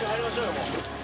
もう。